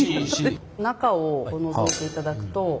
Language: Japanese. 中をのぞいていただくと。